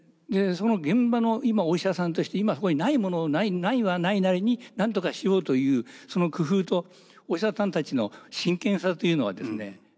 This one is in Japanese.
その現場の今お医者さんとして今そこにないものはないなりに何とかしようというその工夫とお医者さんたちの真剣さというのはですね